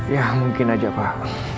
ya mungkin saja pak